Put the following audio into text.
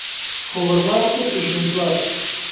Gobernante exemplar.